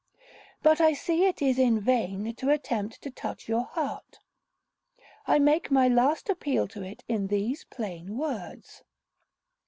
But I see it is in vain to attempt to touch your heart. I make my last appeal to it in these plain words.